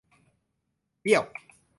เบี้ยว !